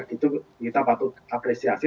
itu kita patut apresiasi